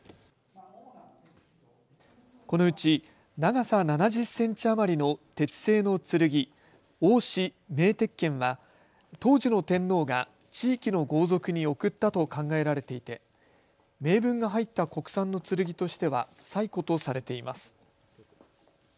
このうち長さ７０センチ余りの鉄製の剣、王賜銘鉄剣は当時の天皇が地域の豪族に贈ったと考えられていて銘文が入った国産の剣としては最古とされています。